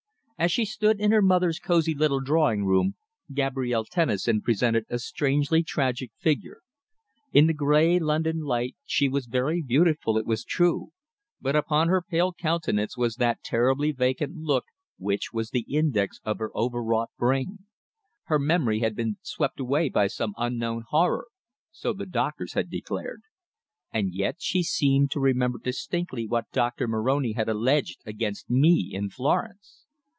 As she stood in her mother's cosy little drawing room Gabrielle Tennison presented a strangely tragic figure. In the grey London light she was very beautiful it was true, but upon her pale countenance was that terribly vacant look which was the index of her overwrought brain. Her memory had been swept away by some unknown horror so the doctors had declared. And yet she seemed to remember distinctly what Doctor Moroni had alleged against me in Florence!